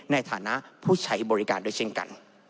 ในฐานะผู้ใช้บริการด้วยเช่นกัน